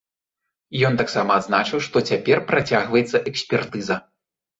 Ён таксама адзначыў, што цяпер працягваецца экспертыза.